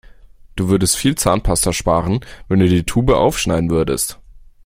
Du würdest viel Zahnpasta sparen, wenn du die Tube aufschneiden würdest.